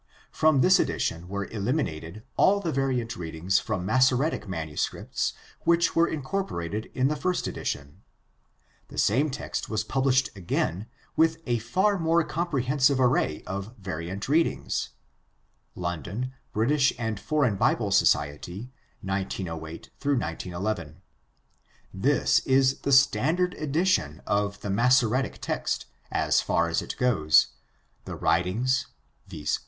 From this edition were eliminated all the variant readings from Massoretic manuscripts which were incorporated in the first edition. The same text was published again with a far more comprehensive array of variant readings (London: British and Foreign Bible Society, 1908 11). This is the standard edition of the Massoretic text as far as it goes; the "Writings," viz..